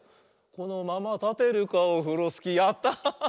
「このままたてるかオフロスキー」やった！